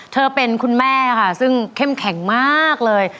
เป็นคุณแม่ค่ะซึ่งเข้มแข็งมากเลย